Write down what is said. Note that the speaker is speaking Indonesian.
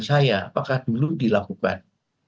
saya apakah dulu dilakukan